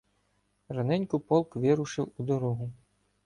Раненько полк вирушив у дорогу.